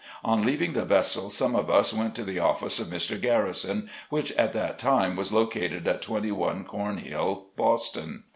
On leaving the vessel some of us went to the office of Mr. Garrison, which at that time was located at 21 Cornhill, Boston.